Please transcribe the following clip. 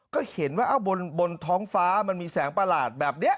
ก็เห็นว่าบนท้องฟ้ามันมีแสงประหลาดแบบนี้